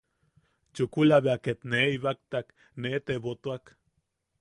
Chukula ket bea nee ibaktak, nee tebotuak.